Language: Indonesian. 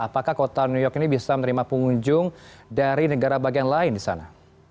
apakah kota new york ini bisa menerima pengunjung dari negara bagian lain di sana